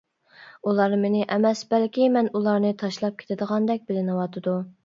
ئۇلار مېنى ئەمەس بەلكى مەن ئۇلارنى تاشلاپ كېتىدىغاندەك بىلىنىۋاتىدۇ.